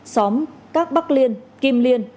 xóm các bắc liên kim liên